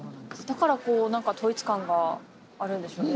だからこう何か統一感があるんでしょうね